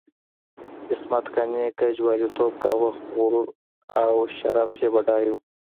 عصمت قانع که جواليتوب کاوه، خو غرور او شرف یې بډای وو.